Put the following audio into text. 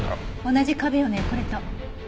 同じ壁よねこれと。